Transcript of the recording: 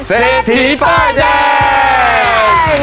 เศรษฐีเปิดแห่ง